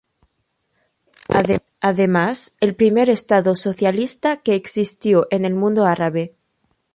Fue, además, el primer Estado socialista que existió en el mundo árabe.